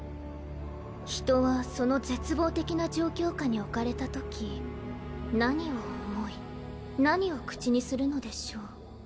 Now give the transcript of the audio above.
人はその絶望的な状況下に置かれた時何を思い何を口にするのでしょう。